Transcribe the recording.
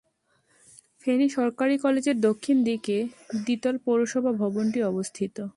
ফেনী সরকারি কলেজের দক্ষিণ দিকে দ্বিতল পৌরসভা ভবনটি অবস্থিত।